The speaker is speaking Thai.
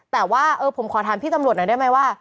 แต่ว่าผมขอถามพี่ตำรวจหน่อยได้ไหมว่า